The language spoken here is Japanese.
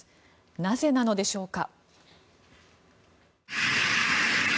なぜなのでしょうか。